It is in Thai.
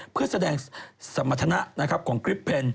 เพื่อแสดงสมรรถนะครับของกริปเพลิน